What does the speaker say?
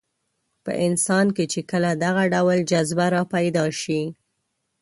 په انسان کې چې کله دغه ډول جذبه راپیدا شي.